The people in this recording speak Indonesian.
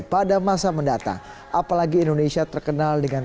pada masa mendatang apalagi indonesia terkenal dengan